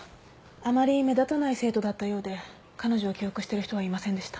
あまり目立たない生徒だったようで彼女を記憶してる人はいませんでした。